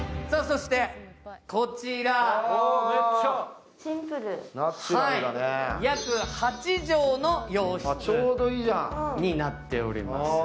こちら、約８畳の洋室になっております。